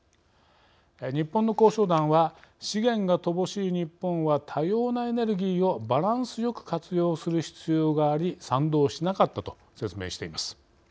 日本の交渉団は「資源が乏しい日本は多様なエネルギーをバランスよく活用する必要があり賛同しなかった」と説明しています。